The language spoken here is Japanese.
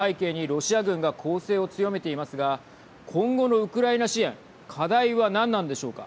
ウクライナでは圧倒的な火力の差を背景にロシア軍が攻勢を強めていますが今後のウクライナ支援課題は何なんでしょうか。